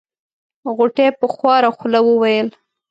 غوټۍ په خواره خوله وويل.